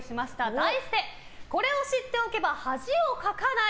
題して、これを知っておけば恥をかかない！